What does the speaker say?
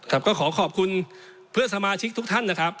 ครับก็ขอขอบคุณเพื่อนสมาชิกทุกท่านนะครับ